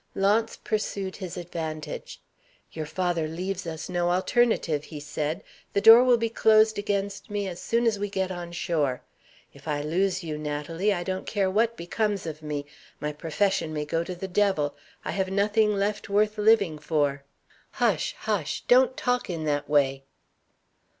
Launce pursued his advantage. "Your father leaves us no alternative," he said. "The door will be closed against me as soon as we get on shore. If I lose you, Natalie, I don't care what becomes of me. My profession may go to the devil. I have nothing left worth living for." "Hush! hush! don't talk in that way!"